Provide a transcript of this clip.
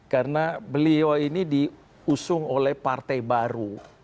karena beliau ini diusung oleh partai baru